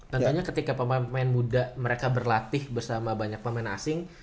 tentunya ketika pemain pemain muda mereka berlatih bersama banyak pemain asing